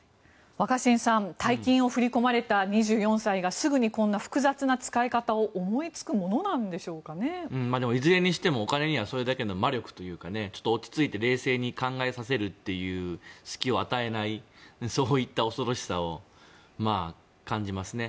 若新さん大金を振り込まれた２４歳がすぐにこんな複雑な使い方をいずれにしてもお金にはそれだけの魔力というか落ち着いて冷静に考えさせるという隙を与えないそういった恐ろしさを感じますね